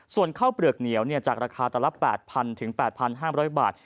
ส่วนข้าวเปลือกเหนียวจากราคาตันละ๘๐๐๘๕๐๐บาท